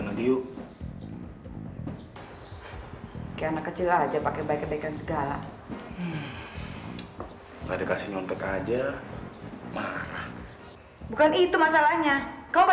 sampai jumpa di video selanjutnya